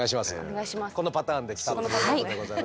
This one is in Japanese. このパターンで来たということでございます。